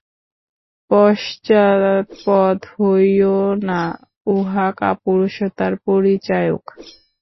পশ্চাৎপদ হইও না, উহা কাপুরুষতার পরিচায়ক।